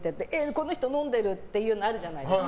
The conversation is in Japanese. この人飲んでる！っていうのあるじゃないですか。